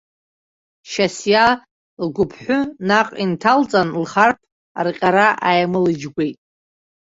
Шьасиа лгәыԥҳәы наҟ инҭалҵан, лхарԥ арҟьара ааималыџьгәеит.